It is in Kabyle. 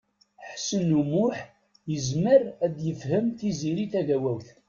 Ḥsen U Muḥ yezmer ad yefhem Tiziri Tagawawt.